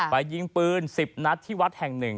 ไปยิงปืน๑๐นัทที่วัดแห่งหนึ่ง